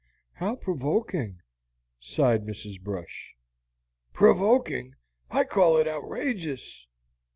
"How provoking!" sighed Mrs. Brush. "Provoking? I call it outrageous."